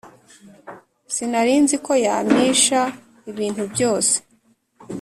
Sinarinziko yamisha ibintu byose